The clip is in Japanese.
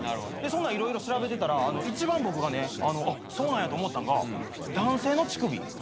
そんなん色々調べてたら一番僕がねそうなんやと思ったんが男性の乳首。